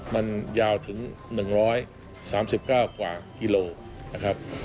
มันยาวถึง๑๓๙กว่ากิโลนะครับ